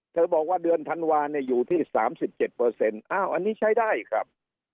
บอกว่าเดือนธันวาเนี่ยอยู่ที่๓๗อ้าวอันนี้ใช้ได้ครับ